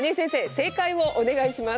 正解をお願いします。